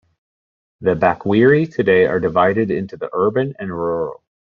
The Bakweri today are divided into the urban and rural.